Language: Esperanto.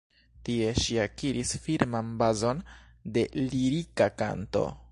Tie, ŝi akiris firman bazon de lirika kanto.